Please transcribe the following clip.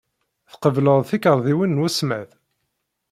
Tqebbleḍ tikarḍiwin n wesmad?